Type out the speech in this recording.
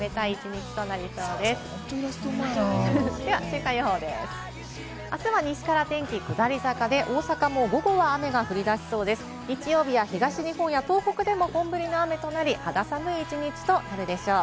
日曜日は東日本や東北でも本降りの雨となり、肌寒い一日となるでしょう。